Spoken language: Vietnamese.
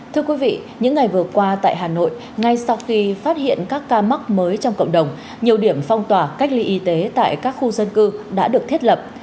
thưa quý vị những ngày vừa qua tại hà nội ngay sau khi phát hiện các ca mắc mới trong cộng đồng nhiều điểm phong tỏa cách ly y tế tại các khu dân cư đã được thiết lập